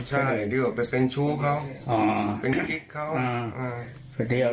ใช่ดีกว่าไปเป็นชู้เขาเป็นคลิกเขา